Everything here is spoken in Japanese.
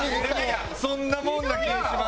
そんなもんな気ぃします。